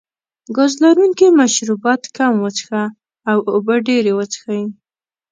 ګاز لرونکي مشروبات کم وڅښه او اوبه ډېرې وڅښئ.